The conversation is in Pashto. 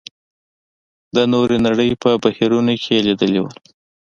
د نورې نړۍ په بهیرونو کې یې لېدلي وو.